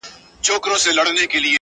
زه ی نه لیکم، لیکل کېږي